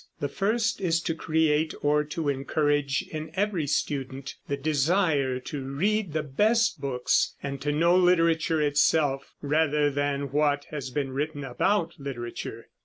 The first is to create or to encourage in every student the desire to read the best books, and to know literature itself rather than what has been written about literature.